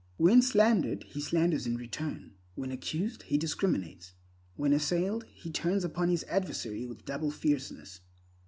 When slandered, he slanders in return; when accused, he recriminates; when assailed, he turns upon his adversary with double fierceness.